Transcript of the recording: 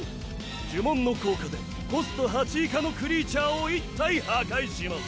呪文の効果でコスト８以下のクリーチャーを１体破壊します。